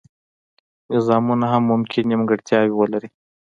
نظامونه هم ممکن نیمګړتیاوې ولري.